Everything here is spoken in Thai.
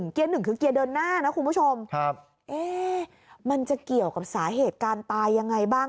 เกียร์หนึ่งคือเกียร์เดินหน้านะคุณผู้ชมครับเอ๊ะมันจะเกี่ยวกับสาเหตุการณ์ตายยังไงบ้าง